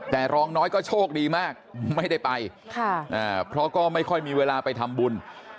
แต่รองน้อยก็โชคดีมากไม่ได้ไปเพราะก็ไม่ค่อยมีเวลาไปทำบุญ